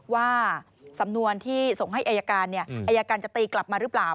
ว่าสำนวนที่ส่งให้อายการอายการจะตีกลับมาหรือเปล่า